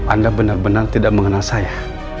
anda benar benar tidak mengenal saya